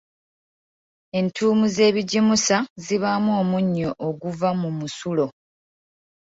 Entuumu z’ebijimusa zibaamu omunny oguva mu musulo.